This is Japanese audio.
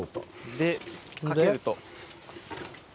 で掛けると。